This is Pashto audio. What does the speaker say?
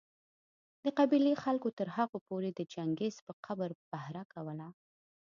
د قبېلې خلکو تر هغو پوري د چنګېز په قبر پهره کوله